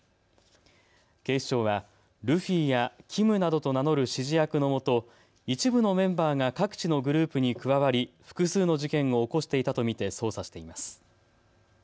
警視庁はルフィやキムなどと名乗る指示役のもと一部のメンバーが各地のグループに加わり複数の事件を起こしていたと見て捜査しています。